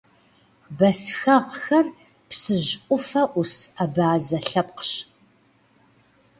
Бэсхэгъхэр Псыжь ӏуфэ ӏус абазэ лъэпкъщ.